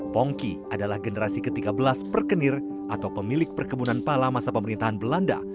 pongki adalah generasi ke tiga belas perkenir atau pemilik perkebunan pala masa pemerintahan belanda